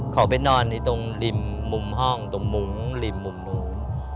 เขาไปนอนในตรงริมมุมห้องตรงมุ้งริมมุมหมู